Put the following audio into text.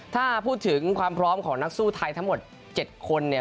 ถ้าพูดถึงความพร้อมของนักสู้ไทยทั้งหมด๗คนเนี่ย